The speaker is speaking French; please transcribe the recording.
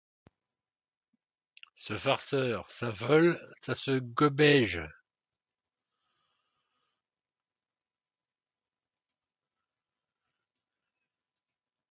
Ces facteurs, ça vole, ça se goberge...